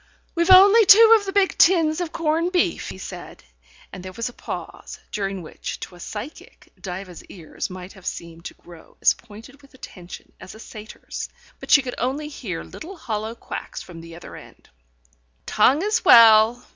"We've only two of the big tins of corned beef," he said; and there was a pause, during which, to a psychic, Diva's ears might have seemed to grow as pointed with attention as a satyr's. But she could only hear little hollow quacks from the other end. "Tongue as well.